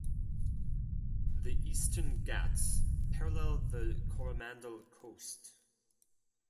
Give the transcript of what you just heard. The Eastern Ghats parallel the Coromandel Coast.